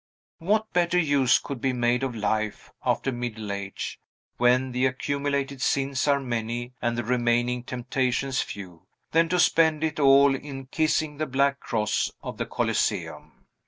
What better use could be made of life, after middle age, when the accumulated sins are many and the remaining temptations few, than to spend it all in kissing the black cross of the Coliseum!